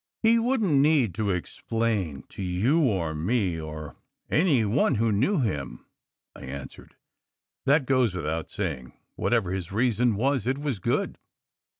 "He wouldn t need to explain to you, or me, or any one who knew him," I answered. "That goes without saying. Whatever his reason was, it was good.